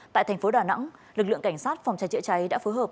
tại thành phố đà nẵng lực lượng cảnh sát phòng cháy chữa cháy đã phối hợp